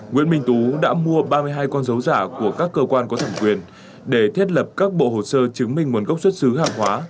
nguyễn minh tú đã mua ba mươi hai con dấu giả của các cơ quan có thẩm quyền để thiết lập các bộ hồ sơ chứng minh nguồn gốc xuất xứ hàng hóa